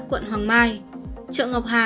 quận hoàng mai chợ ngọc hà